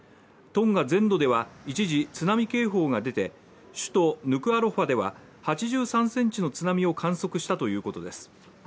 トンガ全土では一時津波警報が出て首都ヌクアロファでは８３ｃｍの津波を観測したということです。